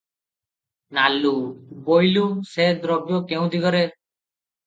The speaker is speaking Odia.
ନାଲୁ- ବୋଇଲୁ, ସେ ଦ୍ରବ୍ୟ କେଉଁ ଦିଗରେ?